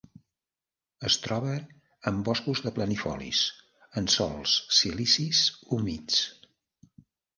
Es troba en boscos de planifolis en sòls silícics humits.